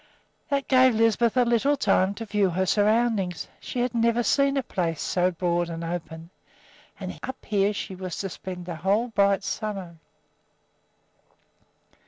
That gave Lisbeth a little time to view her surroundings. She had never seen a place so broad and open. And up here she was to spend the whole bright summer.